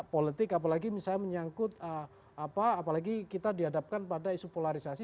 politik apalagi misalnya menyangkut apalagi kita dihadapkan pada isu polarisasi